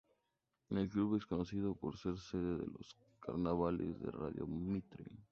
El club es conocido por ser sede de los "Carnavales de Radio Mitre".